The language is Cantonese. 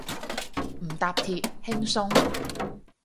唔搭鐵，輕鬆